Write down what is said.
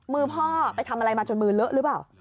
มือพ่อไปทำอะไรมาจนมือเลอะหรือเปล่า